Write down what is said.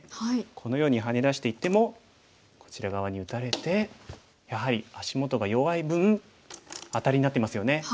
このようにハネ出していってもこちら側に打たれてやはり足元が弱い分アタリになってますよね。